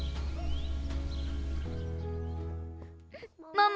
ママ。